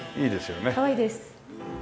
かわいいです。